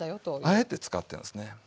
あえて使ってるんですね。